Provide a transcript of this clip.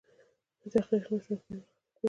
د تحقیق نشتون پرېکړې غلطوي.